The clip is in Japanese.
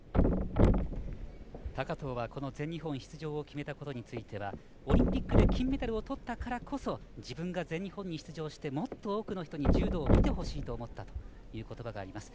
高藤はこの全日本出場を決めたことについてはオリンピックで金メダルをとったからこそ自分が全日本に出場してもっと多くの人に柔道を見てほしいと思ったということばがあります。